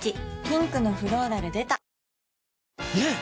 ピンクのフローラル出たねえ‼